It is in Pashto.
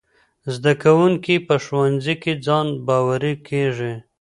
زدهکوونکي په ښوونځي کي ځان باوري کیږي.